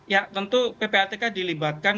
ya tentu ppatk dilibatkan